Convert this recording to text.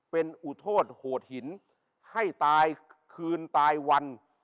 เป็นอุโทษโหดหินให้ตายคืนตายวัน